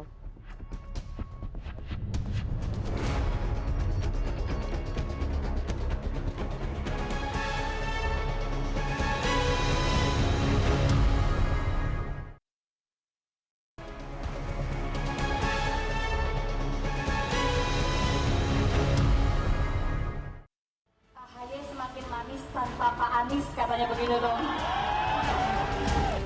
pak haye semakin manis tanpa pak anies katanya begitu dong